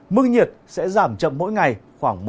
mức nhiệt sẽ giảm chậm mỗi ngày khoảng một độ